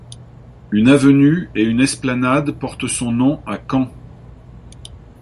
Une avenue et une esplanade portent son nom à Caen.